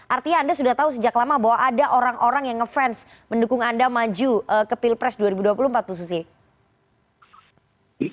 artinya anda sudah tahu sejak lama bahwa ada orang orang yang ngefans mendukung anda maju ke pilpres dua ribu dua puluh empat bu susi